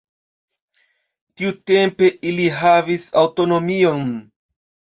Tiutempe ili havis aŭtonomion.